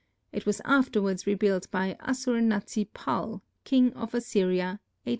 It was afterwards rebuilt by Assur natsi pal, king of Assyria, 885 B.